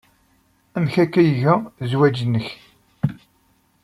Amek akka ay iga zzwaj-nnek?